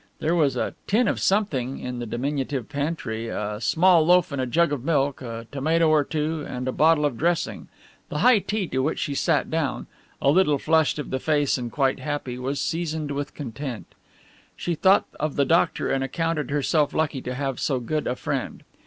There was a "tin of something" in the diminutive pantry, a small loaf and a jug of milk, a tomato or two and a bottle of dressing the high tea to which she sat down (a little flushed of the face and quite happy) was seasoned with content. She thought of the doctor and accounted herself lucky to have so good a friend.